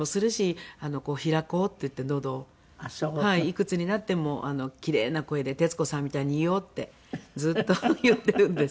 いくつになってもキレイな声で徹子さんみたいにいようってずっと言ってるんです。